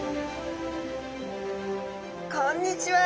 こんにちは。